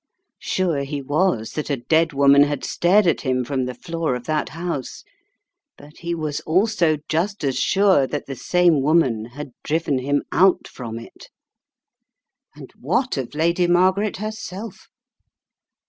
Sure he was that a dead woman had stared at him from the floor of that house, but he was also just as sure that the same woman had driven him out from it. And what of Lady Margaret herself?